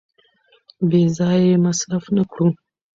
بې ځایه یې مصرف نه کړو.